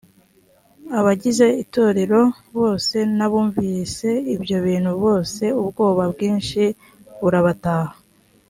abagize itorero bose n abumvise ibyo bintu bose ubwoba bwinshi burabataha